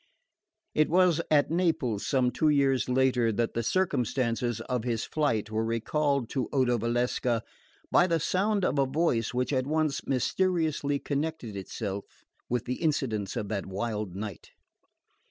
It was at Naples, some two years later, that the circumstances of his flight were recalled to Odo Valsecca by the sound of a voice which at once mysteriously connected itself with the incidents of that wild night.